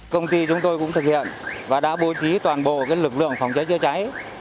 công ty chúng tôi cũng thực hiện và đã bố trí toàn bộ lực lượng phòng cháy chữa cháy